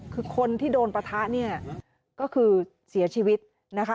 คือคนที่โดนปะทะเนี่ยก็คือเสียชีวิตนะคะ